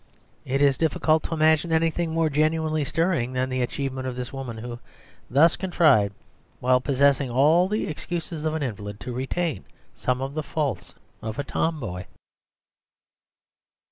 It is difficult to imagine anything more genuinely stirring than the achievement of this woman, who thus contrived, while possessing all the excuses of an invalid, to retain some of the faults of a tomboy.